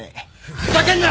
ふざけんな！